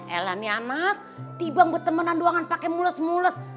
alhamdulillah emak tiba buat temenan doangan pake mules mules